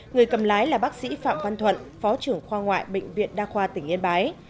người cầm lái là bác sĩ phạm văn thuận phó trưởng khoa ngoại bệnh viện đa khoa tỉnh yên bái